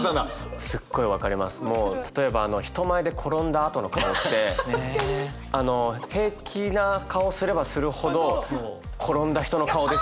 もう例えば人前で転んだあとの顔ってあの平気な顔をすればするほど転んだ人の顔ですよね。